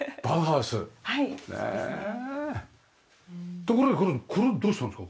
ところでこのこれどうしたんですか？